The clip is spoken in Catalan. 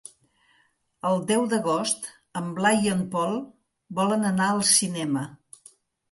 El deu d'agost en Blai i en Pol volen anar al cinema.